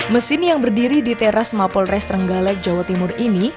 mesin yang berdiri di teras mapolres trenggalek jawa timur ini